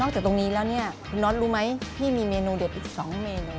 จากตรงนี้แล้วเนี่ยคุณน็อตรู้ไหมพี่มีเมนูเด็ดอีก๒เมนู